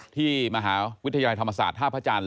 ที่มหาวิทยาลัยธรรมศาสตร์ท่าพระจันทร์